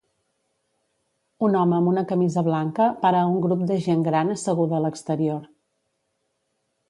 Un home amb una camisa blanca para a un grup de gent gran asseguda a l'exterior.